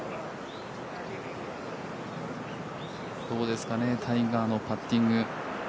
どうですかねタイガーのパッティング。